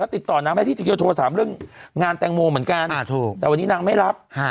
ติดต่อน้าแม่ที่จะโทรถามเรื่องงานแตงโมเหมือนกันอ่าถูกแต่วันนี้นางไม่รับฮะ